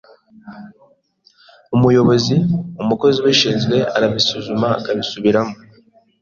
umuyobozi, umukozi ubishinzwe arabisuzuma akabisubiramo